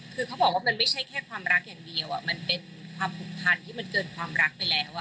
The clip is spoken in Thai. คือเขาบอกว่ามันไม่ใช่แค่ความรักอย่างเดียวมันเป็นความผูกพันที่มันเกินความรักไปแล้ว